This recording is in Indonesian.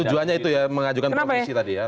tujuannya itu ya mengajukan profesi tadi ya